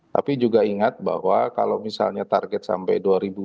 tapi juga ingat bahwa kalau misalnya target sampai dua ribu dua puluh